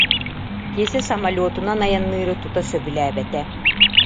Киэсэ самолету- нан айанныыры тута сөбүлээбэтэ